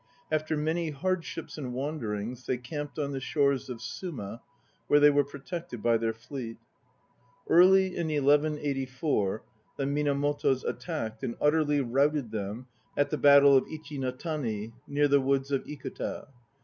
After many hardships and wanderings they camped on the shores of Suma, where they were protected by their fleet. Early in 1184 the Minamotos attacked and utterly routed them at the Battle of Ichi no Tani, near the woods of Ikuta.